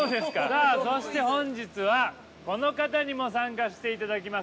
さあ、そして本日はこの方にも参加していただきます。